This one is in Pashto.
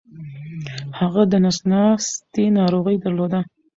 هغه دنس ناستې ناروغې درلوده